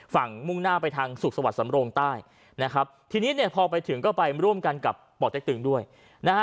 ฝั่งมุ่งหน้าไปทางสุขสวรรค์สำโลงใต้นะครับทีนี้พอไปถึงก็ไปร่วมกันกับปอร์ตเต็กตึงด้วยนะฮะ